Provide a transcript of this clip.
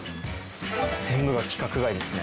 全部が規格外ですね。